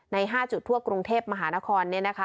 ใน๕จุดทั่วกรุงเทพฯมหานครเนี่ยนะคะ